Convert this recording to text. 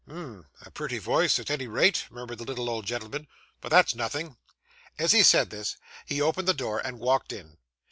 'Um, a pretty voice, at any rate,' murmured the little old gentleman; 'but that's nothing.' As he said this, he opened the door and walked in.